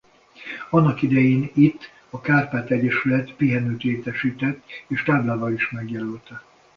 Annak idején itt a Kárpát Egyesület pihenőt létesített és táblával is megjelölte.